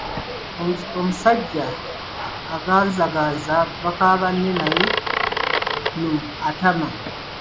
Omusajja aganzaganza baka banne naye nno atama.